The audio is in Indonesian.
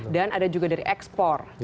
dan ada juga dari ekspor